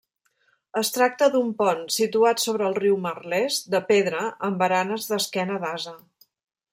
Es tracta d'un pont situat sobre el riu Merlès de pedra, amb baranes d'esquena d'ase.